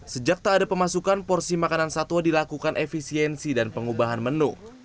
sejak tak ada pemasukan porsi makanan satwa dilakukan efisiensi dan pengubahan menu